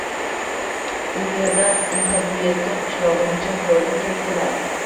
U yerdan Intabuyeti qishlogʻigacha piyoda ketdilar